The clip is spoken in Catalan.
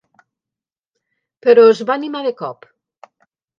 Però es va animar de cop.